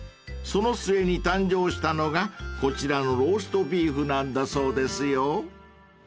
［その末に誕生したのがこちらのローストビーフなんだそうですよ］